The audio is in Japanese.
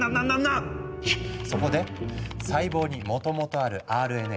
そこで細胞にもともとあるＲＮＡ